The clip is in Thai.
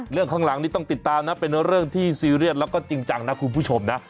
ข้างหลังนี้ต้องติดตามนะเป็นเรื่องที่ซีเรียสแล้วก็จริงจังนะคุณผู้ชมนะ